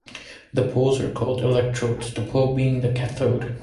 The poles are called electrodes, the pole being the cathode.